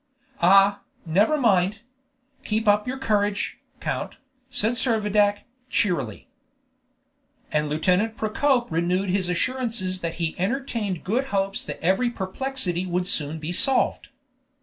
"Ah, never mind! Keep up your courage, count!" said Servadac, cheerily. And Lieutenant Procope renewed his assurances that he entertained good hopes that every perplexity would soon be solved.